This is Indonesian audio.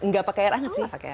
enggak pakai air hangat sih